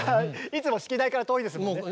いつも指揮台から遠いですもんね。